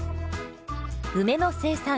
梅の生産